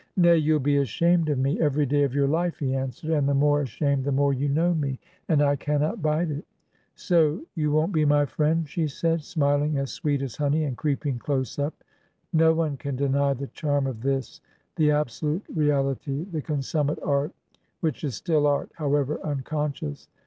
'Nay, you'll be ashamed of me every day of your life,' he an swered, 'and the more ashamed the more you know me, 238 Digitized by VjOOQIC THE TWO CATHARINES OF EMILY BRONTE and I cannot bide it.' 'So you won't be my friend?' she said, smiling as sweet as honey and creeping close up/' No one can deny the charm of this, the absolute real ity, the consummate art, which is still art, however un conscious.